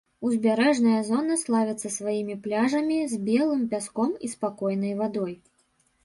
Узбярэжная зона славіцца сваімі пляжамі з белым пяском і спакойнай вадой.